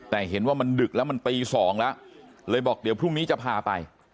แต่เห็นว่ามันดึกแล้วมันตี๒แล้วเลยบอกเดี๋ยวพรุ่งนี้จะพาไป